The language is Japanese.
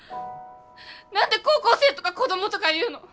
何で高校生とか子供とか言うの！？